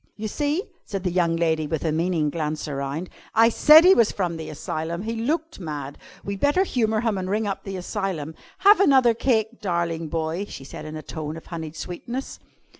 "You see!" said the young lady with a meaning glance around. "I said he was from the asylum. He looked mad. We'd better humour him and ring up the asylum. Have another cake, darling boy," she said in a tone of honeyed sweetness.